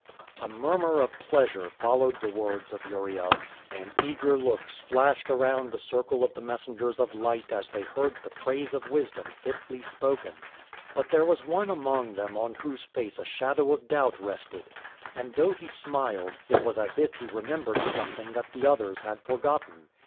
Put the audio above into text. A murmur of pleasure followed the words of Uriel, and eager looks flashed around the circle of the messengers of light as they heard the praise of wisdom fitly spoken. But there was one among them on whose face a shadow of doubt rested, and though he smiled, it was as if he remembered something that the others had forgotten.